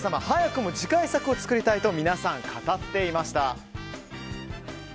早くも次回作を作りたいと皆さん語っていました。